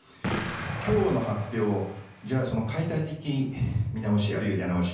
今日の発表、じゃあその解体的見直しあるいは出直し